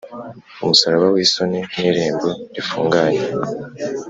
umusaraba w'isoni n' irembo rifunganye.